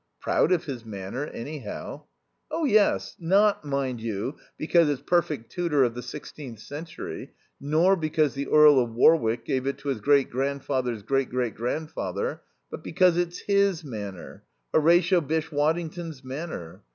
"Proud of his Manor, anyhow." "Oh, yes. Not, mind you, because it's perfect Tudor of the sixteenth century, nor because the Earl of Warwick gave it to his great grandfather's great great grandfather, but because it's his Manor. Horatio Bysshe Waddington's Manor.